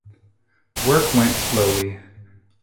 Work went slowly.